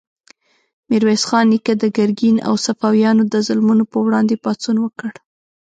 میرویس خان نیکه د ګرګین او صفویانو د ظلمونو په وړاندې پاڅون وکړ.